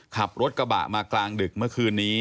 ขับรถกระบะมากลางดึกเมื่อคืนนี้